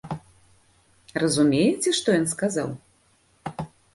Разумееце, што ён сказаў?